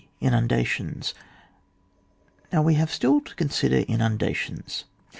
— INUNDATIONa Now we have still to consider inun dations.